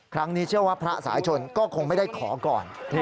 เชื่อว่าพระสายชนก็คงไม่ได้ขอก่อน